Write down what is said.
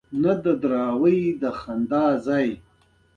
دلته د هخامنشي دورې د داریوش کتیبه موندل شوې